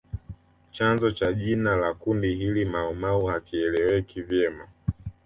Chanzo cha jina la kundi hili Maumau hakieleweki vyema